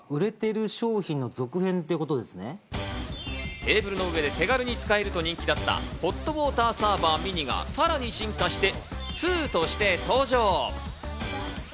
テーブルの上で手軽に使えると人気だったホットウォーターサーバーｍｉｎｉがさらに進化して、２として登場。